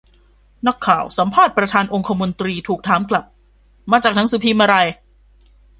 นักข่าวสัมภาษณ์ประธานองคมนตรี ถูกถามกลับ มาจากหนังสือพิมพ์อะไร